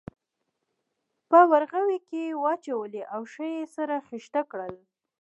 په ورغوي کې یې واچولې او ښه یې سره خیشته کړل.